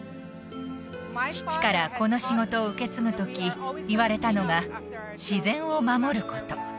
父からこの仕事を受け継ぐ時言われたのが「自然を守ること」